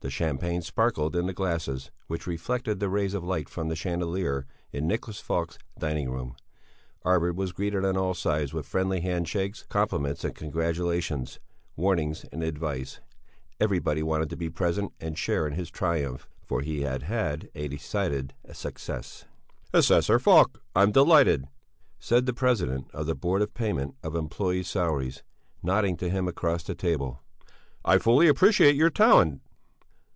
The champagne sparkled in the glasses which reflected the rays of light from the chandelier in Nicholas Falk's dining room. Arvid was greeted on all sides with friendly hand shakes, compliments and congratulations, warnings and advice; everybody wanted to be present and share in his triumph, for he had had a decided success. "Assessor Falk! I'm delighted!" said the President of the Board of Payment of Employés' Salaries, nodding to him across the table. "I fully appreciate your talent."